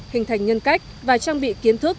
hình thành nhân cách và trang bị kiến thức